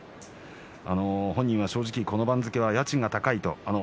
本人は正直この番付は家賃が高いと。